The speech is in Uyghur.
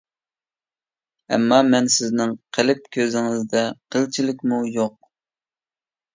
ئەمما مەن سىزنىڭ قەلب كۆزىڭىزدە قىلچىلىكمۇ يوق.